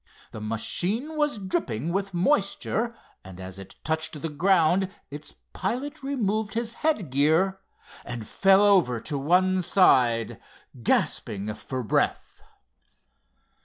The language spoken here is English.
The machine was dripping with moisture, and as it touched the ground its pilot removed his head gear, and fell over to one side, gasping for breath.